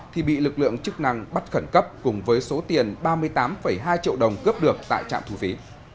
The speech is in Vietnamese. thì bị lực lượng chức năng bắt khẩn cấp cùng với số tiền ba mươi tám hai triệu đồng cướp được tại trạm thu phí